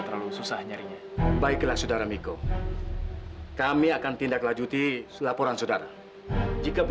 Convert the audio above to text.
terimalah bunga ini sebagai permintaan maaf dari aku